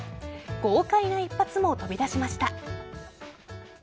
豪快な一発も飛び出しました。